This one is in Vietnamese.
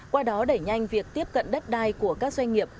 qua đó đẩy nhanh việc tiếp cận đất đai của các doanh nghiệp